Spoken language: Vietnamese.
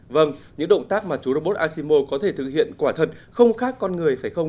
vâng những động tác mà chú robot asimo có thể thực hiện quả thật không khác con người phải không